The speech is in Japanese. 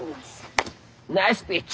ナイスピッチ！